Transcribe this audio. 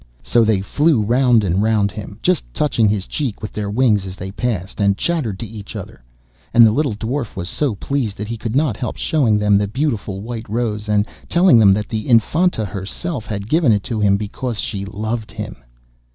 So they flew round and round him, just touching his cheek with their wings as they passed, and chattered to each other, and the little Dwarf was so pleased that he could not help showing them the beautiful white rose, and telling them that the Infanta herself had given it to him because she loved him.